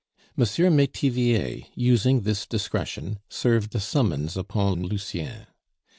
M. Metivier, using this discretion, served a summons upon Lucien.